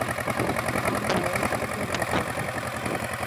Ambue hembiapokue.